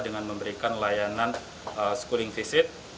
dengan memberikan layanan schooling visit